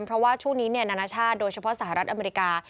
เพราะว่าช่วงนี้นานาชาติโดยเฉพาะสหรัฐอเมริกา